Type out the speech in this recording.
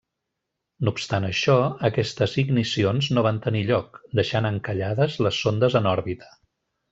No obstant això, aquestes ignicions no van tenir lloc, deixant encallades les sondes en òrbita.